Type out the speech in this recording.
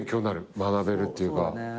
学べるっていうか。